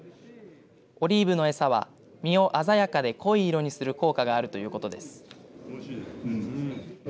オリーブの餌は身を鮮やかに濃い色にする効果があるということです。